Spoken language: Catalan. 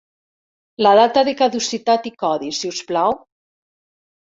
La data de caducitat i codi si us plau?